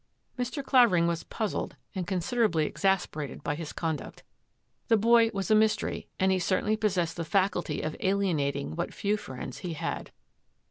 Mr. Clavering was puzzled and considerably ex asperated by his conduct. The boy was a mys tery, and he certainly possessed the faculty of alienating what few friends he had.